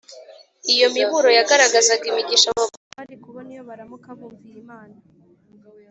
. Iyo miburo yagaragazaga imigisha abo bantu bari kubona iyo baramuka bumviye Imana